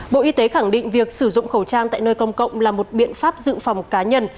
bộ y tế khẳng định việc sử dụng khẩu trang tại nơi công cộng là một biện pháp dự phòng cá nhân